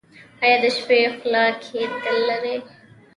ایا د شپې خوله کیدل لرئ؟